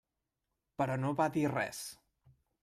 Però no va dir res.